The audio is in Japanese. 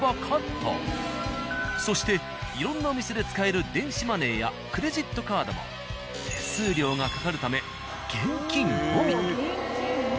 そしていろんなお店で使える電子マネーやクレジットカードも手数料がかかるため現金のみ。